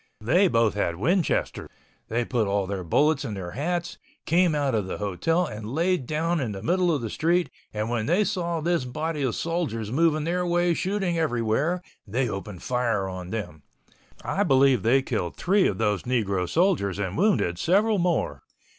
They both had Winchesters. They put all their bullets in their hats, came out of the hotel, and laid down in the middle of the street, and when they saw this body of soldiers moving their way shooting everywhere, they opened fire on them. I believe they killed three of those negro soldiers and wounded several more.